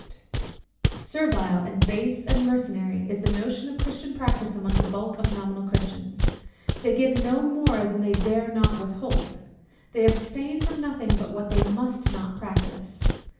Servile, and base, and mercenary, is the notion of Christian practice among the bulk of nominal Christians. They give no more than they dare not with hold; they abstain from nothing but what they must not practise.